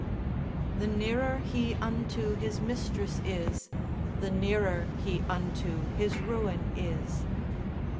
The nearer he unto his mistress is, The nearer he unto his ruin is.